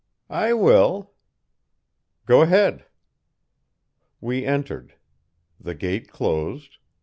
"'I will.' "'Go ahead.' "We entered. The gate closed.